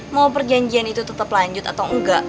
mau perjanjian itu tetap lanjut atau enggak